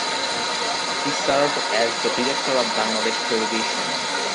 He served as the director of Bangladesh Television.